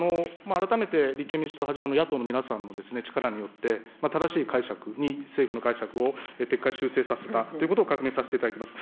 改めて立憲民主党はじめ、野党の皆さんの力によって、正しい解釈に、政府の解釈を撤回修正させたということを確認させていただきます。